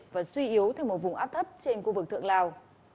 và suy yếu thêm một vùng áp thấp trên khu vực thượng lào